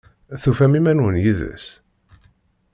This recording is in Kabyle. Tufam iman-nwen yid-s?